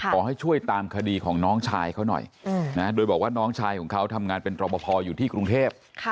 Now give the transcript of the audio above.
ขอให้ช่วยตามคดีของน้องชายเขาหน่อยนะโดยบอกว่าน้องชายของเขาทำงานเป็นตรบพออยู่ที่กรุงเทพ